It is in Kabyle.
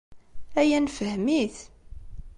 Aya nefhem-it.